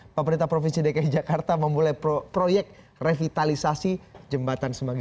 pemerintah provinsi dki jakarta memulai proyek revitalisasi jembatan semanggi